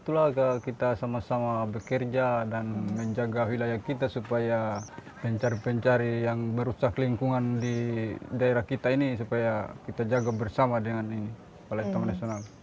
itulah kita sama sama bekerja dan menjaga wilayah kita supaya pencari pencari yang merusak lingkungan di daerah kita ini supaya kita jaga bersama dengan ini balai taman nasional